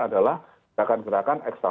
adalah gerakan gerakan ekstra